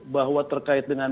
bahwa terkait dengan